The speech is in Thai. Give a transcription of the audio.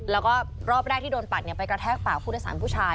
แล้วก็รอบแรกที่โดนปัดไปกระแทกปากผู้โดยสารผู้ชาย